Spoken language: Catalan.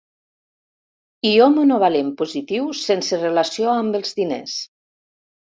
Ió monovalent positiu sense relació amb els diners.